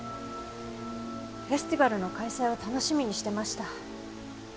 フェスティバルの開催を楽しみにしてました。